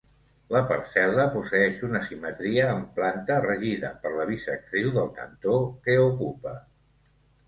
La parcel·la posseeix una simetria en planta regida per la bisectriu del cantó que ocupa.